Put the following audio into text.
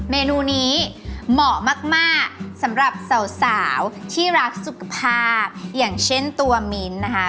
เมนูนี้เหมาะมากสำหรับสาวที่รักสุขภาพอย่างเช่นตัวมิ้นนะคะ